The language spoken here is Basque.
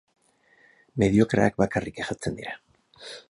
Mediokreak bakarrik kejatzen dira.